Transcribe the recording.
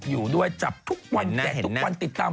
อยู่ด้วยจับทุกวันแกะทุกวันติดตาม